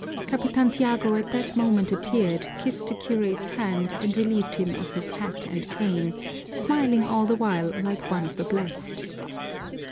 Capitan Tiago at that moment appeared, kissed the curate's hand, and relieved him of his hat and cane, smiling all the while like one of the blessed.